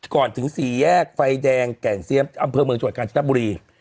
ก่อนถึงสี่แยกไฟแดงแก่งเซี๊ยมอำเภอเมืองจักรการชนับบุรี